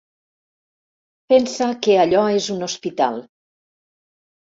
Pensa que allò és un hospital.